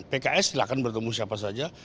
pks silahkan bertemu siapa saja